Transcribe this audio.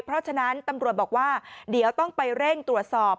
เพราะฉะนั้นตำรวจบอกว่าเดี๋ยวต้องไปเร่งตรวจสอบ